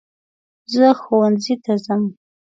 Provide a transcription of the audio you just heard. زه ښونځي ته ځم.